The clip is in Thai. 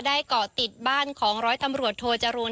เกาะติดบ้านของร้อยตำรวจโทจรูล